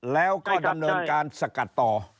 แล้วก็ดำเนินการสกัดต่อ